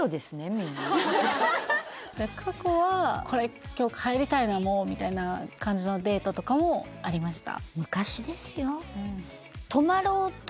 みんな過去はこれ今日帰りたいなもうみたいな感じのデートとかもありました？